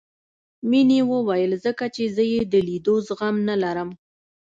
مينې وويل ځکه چې زه يې د ليدو زغم نه لرم.